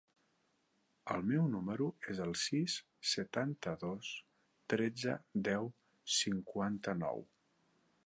El meu número es el sis, setanta-dos, tretze, deu, cinquanta-nou.